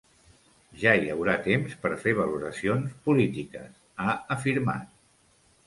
Ja hi haurà temps per fer valoracions polítiques, ha afirmat.